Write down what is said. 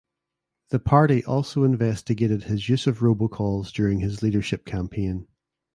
The party also investigated his use of robocalls during his leadership campaign.